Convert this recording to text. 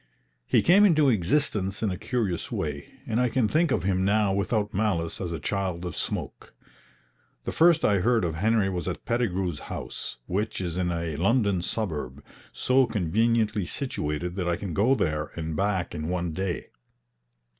He came into existence in a curious way, and I can think of him now without malice as a child of smoke. The first I heard of Henry was at Pettigrew's house, which is in a London suburb, so conveniently situated that I can go there and back in one day.